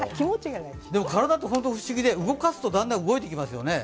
でも、体って不思議で、動かすとだんだん動いていきますよね。